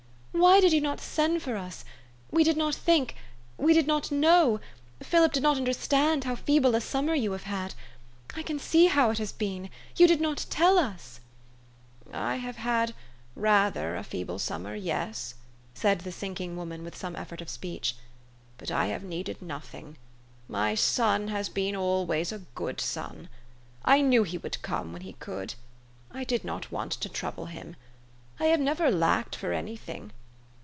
" Why did }^ou not send for us? We did not think did not know Philip did not understand how feeble a summer you have had . I can see how it has been. You did not tell us !" THE STORY OF AVIS. 265 4 < I have had rather a feeble summer yes ,'' Baid the sinking woman with some effort of speech ;" but I have needed nothing. M} 7 son has been always a good son. I knew he would come when he could. I did not want to trouble him. I have never lacked for any thing.